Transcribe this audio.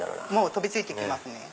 飛びついてきますね。